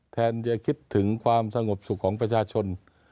แทนจะคิดถึงความสงบสุขของประชาชน